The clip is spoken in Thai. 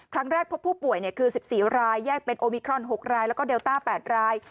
พบผู้ป่วยคือ๑๔รายแยกเป็นโอมิครอน๖รายแล้วก็เดลต้า๘ราย